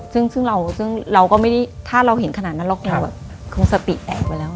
ใช่ค่ะซึ่งเราก็ไม่ได้ถ้าเราเห็นขนาดนั้นเราก็คงสปีดแอบไปแล้ว